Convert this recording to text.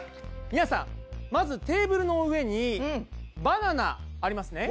みなさんまずテーブルの上にバナナありますね？